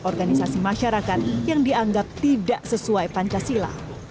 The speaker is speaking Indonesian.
organisasi masyarakat yang dianggap tidak sesuai pancasila